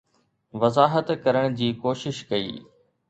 وضاحت ڪرڻ جي ڪوشش ڪئي